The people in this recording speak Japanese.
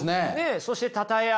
そしてたたえ合う。